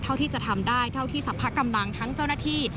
เท่าที่จะทำได้เท่าที่สรรพกำลังทั้งเจ้าหน้าที่